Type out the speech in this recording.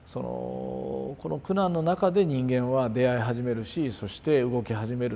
この苦難の中で人間は出会い始めるしそして動き始めるっていうのをね